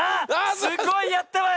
すごいやったわよ！